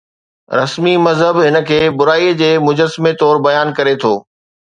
رسمي مذهب هن کي برائي جي مجسمي طور بيان ڪري ٿو